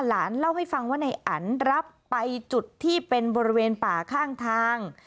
หลานเล่าให้ฟังว่าในอันรับไปจุดที่เป็นบริเวณป่าข้างทาง